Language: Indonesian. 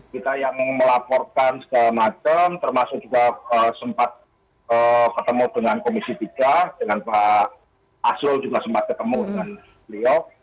kita yang melaporkan segala macam termasuk juga sempat ketemu dengan komisi tiga dengan pak asrul juga sempat ketemu dengan beliau